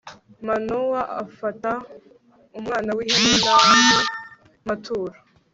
manowa afata umwana w'ihene n'andi maturo